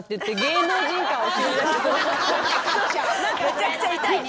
めちゃくちゃ痛い。